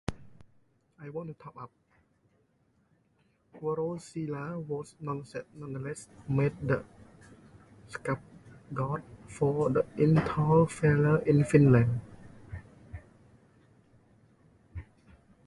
Voroshilov was nonetheless made the scapegoat for the initial failures in Finland.